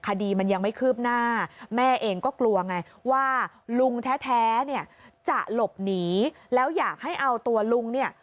คดีมันยังไม่คืบหน้าแม่เองก็กลัวไงว่าลุงแท้เนี่ยจะหลบหนีแล้วอยากให้เอาตัวลุงเนี่ย